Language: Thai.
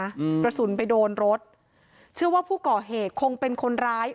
อืมกระสุนไปโดนรถเชื่อว่าผู้ก่อเหตุคงเป็นคนร้าย